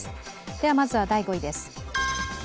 ではまずは第５位です。